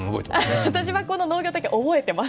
私はこの農業体験覚えています。